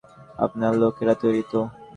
আপনার লোকেরা তৈরি তো?